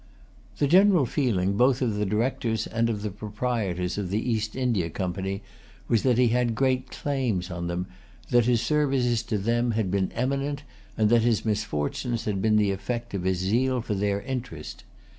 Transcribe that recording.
The general feeling both of the Directors and of the proprietors of the East India Company was that he had great claims on them, that his services to them had been eminent, and that his misfortunes had been the effect of his zeal for their interest.